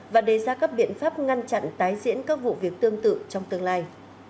và đề ra các biện pháp ngăn chặn tái diễn các vụ việc tương tự trong tương lai